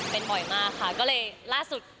เป็นบ่อยมากค่ะก็เลยล่าสุด